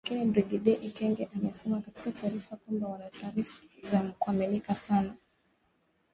Lakini Brigedia Ekenge amesema katika taarifa kwamba wana taarifa za kuaminika sana